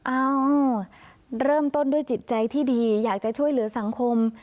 เอ้าเริ่มต้นด้วยจิตใจที่ดีอยากจะช่วยเหลือสังคม